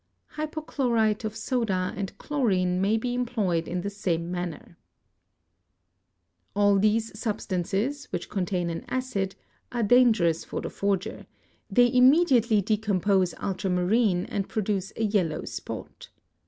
Hypochlorite of soda and chlorine may be employed in the same manner. All these substances, which contain an acid, are dangerous for the — forger; they immediately decompose ultramarine and produce a yellow 7 spot.